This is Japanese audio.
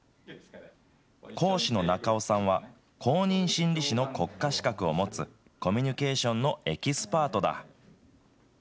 講師の中尾さんは、公認心理師の国家資格を持つ、コミュニケーションのエキスパートだ。